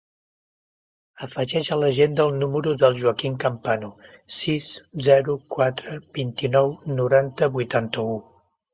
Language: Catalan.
Afegeix a l'agenda el número del Joaquín Campano: sis, zero, quatre, vint-i-nou, noranta, vuitanta-u.